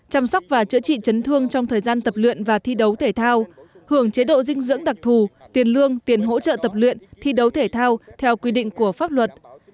chăm sóc và chữa trị chấn thương trong thời gian tập luyện và thi đấu thể thao hưởng chế độ dinh dưỡng đặc thù tiền lương tiền hỗ trợ tập luyện thi đấu thể thao theo quy định của pháp luật